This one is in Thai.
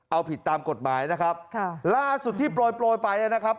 เอาผิดตามกฎหมายนะครับค่ะล่าสุดที่โปรยโปรยไปนะครับ